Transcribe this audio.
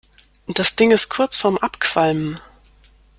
Das Ding ist kurz vorm Abqualmen.